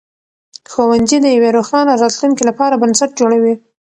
ښوونځي د یوې روښانه راتلونکې لپاره بنسټ جوړوي.